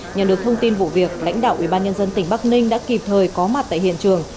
nhận được thông tin vụ việc lãnh đạo ubnd tỉnh bắc ninh đã kịp thời có mặt tại hiện trường